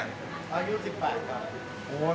อายุ๑๘ครับ